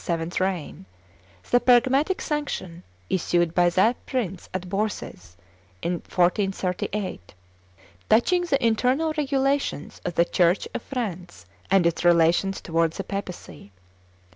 's reign, the Pragmatic Sanction, issued by that prince at Bourses, in 1438, touching the internal regulations of the Church of France and its relations towards the papacy.